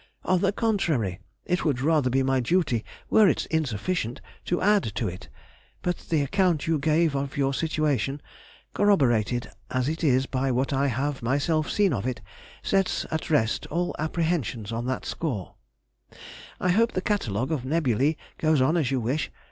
On the contrary, it would rather be my duty, were it insufficient, to add to it, but the account you give of your situation, corroborated as it is by what I have myself seen of it, sets at rest all apprehensions on that score. I hope the Catalogue of Nebulæ goes on as you wish.